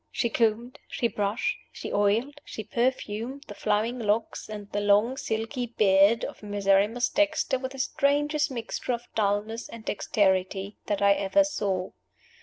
She combed, she brushed, she oiled, she perfumed the flowing locks and the long silky beard of Miserrimus Dexter with the strangest mixture of dullness and dexterity that I ever saw.